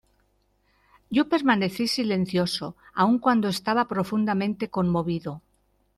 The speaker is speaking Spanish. yo permanecí silencioso, aun cuando estaba profundamente conmovido.